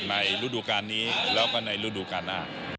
ฤดูการนี้แล้วก็ในฤดูการหน้า